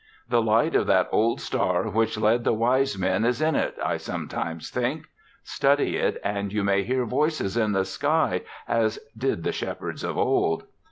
The light of that old star which led the wise men is in it, I sometimes think. Study it and you may hear voices in the sky as did the shepherds of old."